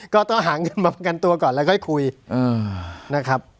ก็ต้องหาเงินมาประกันตัวก่อนแล้วค่อยคุยนะครับ